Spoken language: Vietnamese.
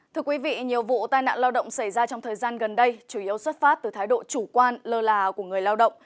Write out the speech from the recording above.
thưa quý vị nhiều vụ tai nạn lao động xảy ra trong thời gian gần đây chủ yếu xuất phát từ thái độ chủ quan lơ là của người lao động